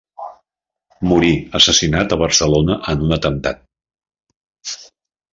Morí assassinat a Barcelona en un atemptat.